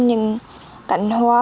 những cảnh hoa